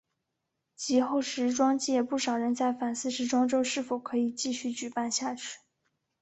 及后时装界不少人在反思时装周是否可以继续举办下去。